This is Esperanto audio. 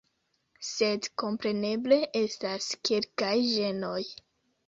Sed kompreneble estas kelkaj ĝenoj.